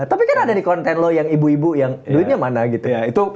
tapi kan ada nih konten lo yang ibu ibu yang duitnya mana gitu ya